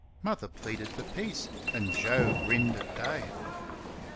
Mother pleaded for peace, and Joe grinned at Dave.